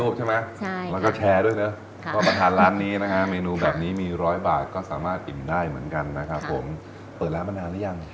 เปิดร้านมานานหรือยัง